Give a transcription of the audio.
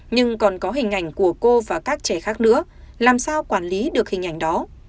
nhưng còn có hình ảnh của cô và các trẻ khác nữa làm sao quản lý được hình ảnh đó